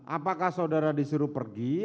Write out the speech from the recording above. apakah saudara disuruh pergi